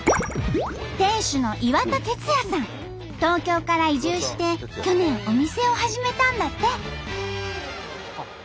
店主の東京から移住して去年お店を始めたんだって。